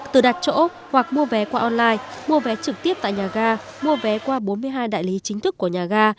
từ đặt chỗ hoặc mua vé qua online mua vé trực tiếp tại nhà ga mua vé qua bốn mươi hai đại lý chính thức của nhà ga